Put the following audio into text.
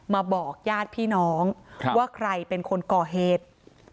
มาบอกญาติพี่น้องว่าใครเป็นคนก่อเหตุ